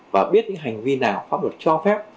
và biết những hành vi nào pháp luật cho phép